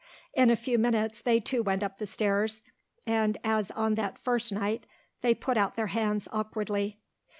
In a few minutes they too went up the stairs, and as on that first night, they put out their hands awkwardly.